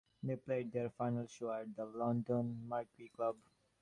They played their final show at the London Marquee Club.